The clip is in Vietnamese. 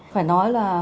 phải nói là